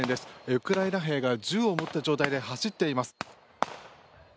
ウクライナ兵が銃を持った状態で走っています。